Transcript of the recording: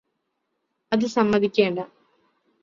അത് സമ്മതിക്കേണ്ട